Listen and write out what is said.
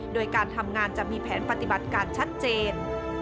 โดยการทำงานจะมีแผนปฏิบัติการชัดเจน